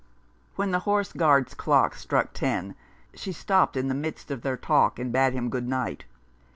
When the Horse Guards' clock struck ten she stopped in the midst of their talk, and bade him good night.